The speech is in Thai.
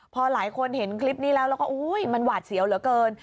พอหลายคนเห็นคลิปนี้แล้วแล้วก็มันหวาดเสียวเหลือเกิน